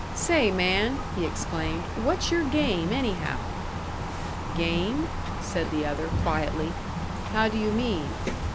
"Say, man!" he exclaimed "What's your game, anyhow?" "Game?" said the other, quietly. "How do you mean?"